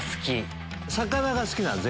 魚が好きなの？